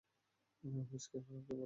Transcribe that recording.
Whisky সবচেয়ে বড় ঔষধ।